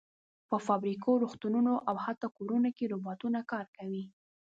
په فابریکو، روغتونونو او حتی کورونو کې روباټونه کار کوي.